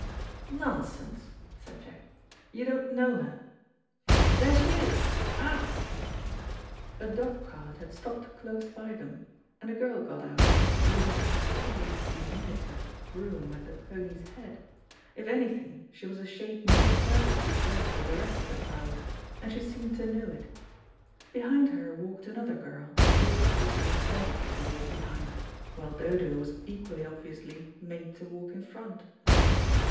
"Nonsense," said Jack. "You don't know her. There she is. Ah!" A dog cart had stopped close by them, and a girl got out, leaving a particularly diminutive groom at the pony's head. If anything she was a shade more perfectly dressed than the rest of the crowd, and she seemed to know it. Behind her walked another girl, who was obviously intended to walk behind, while Dodo was equally obviously made to walk in front.